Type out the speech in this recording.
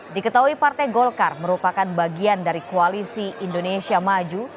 diketahui partai golkar merupakan bagian dari koalisi indonesia maju